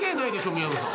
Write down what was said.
宮野さん。